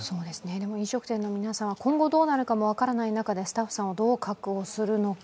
飲食店の皆さんは今後どうなるかも分からない中でスタッフさんをどう確保するのか